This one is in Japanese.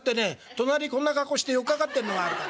隣こんな格好して寄っかかってんのがあるから。